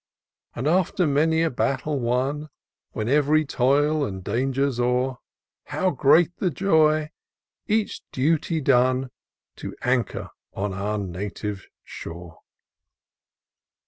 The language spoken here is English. And after many a battle won. When ev'ry toil and danger's o'er. How great the joy, each duty done. To anchor on our native shore